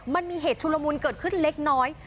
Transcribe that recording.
มันมีเหตุชุลมุนเกิดขึ้นเล็กน้อย